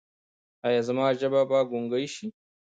ایا زما ژبه به ګونګۍ شي؟